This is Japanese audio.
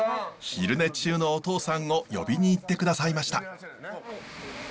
昼寝中のお父さんを呼びにいってくださいました。